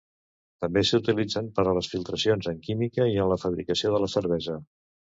També s'utilitzen per a les filtracions en química i en la fabricació de la cervesa.